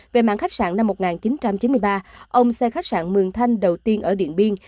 về mạng khách sạn năm một nghìn chín trăm chín mươi ba ông xe khách sạn mường thanh đầu tiên ở điện biên